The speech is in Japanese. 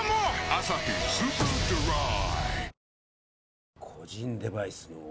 「アサヒスーパードライ」